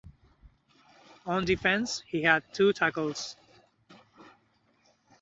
On defense he had two tackles.